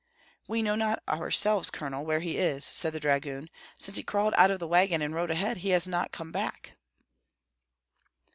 "We know not ourselves, Colonel, where he is," said the dragoon. "Since he crawled out of the wagon and rode ahead, he has not come back."